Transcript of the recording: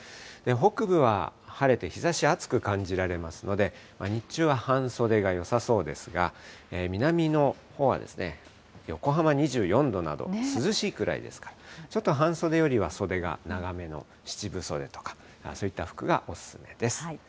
北部は晴れて、日ざし暑く感じられますので、日中は半袖がよさそうですが、南のほうは横浜２４度など、涼しいくらいですから、ちょっと半袖よりは袖が長めの七分袖とか、そういった服がお勧めです。